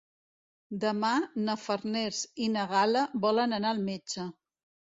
Demà na Farners i na Gal·la volen anar al metge.